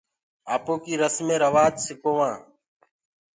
آپوڪيٚ رَسمين روآجَ سِڪووآنٚ۔